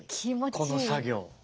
この作業。